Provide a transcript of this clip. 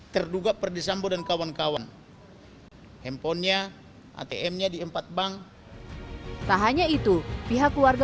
terduga perdisambo dan kawan kawan handphonenya atm nya di empat bank tak hanya itu pihak keluarga